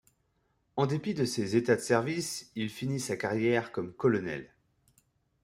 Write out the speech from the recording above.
En dépit de ses états de service, il finit sa carrière comme colonel.